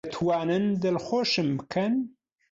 دەتوانن دڵخۆشم بکەن؟